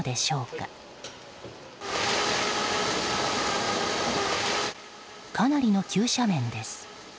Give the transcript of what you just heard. かなりの急斜面です。